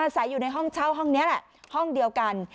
ใส่อยู่ในห้องเช่าห้องนี้แหละห้องเดียวกัน